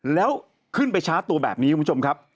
แล้วขึ้นไปช้าตัวแบบนี้คุณผู้ชมครับ